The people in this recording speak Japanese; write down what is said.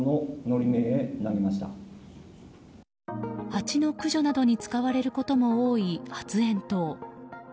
ハチの駆除などに使われることも多い発炎筒。